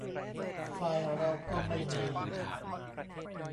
ไฟล์เราก็ไม่มี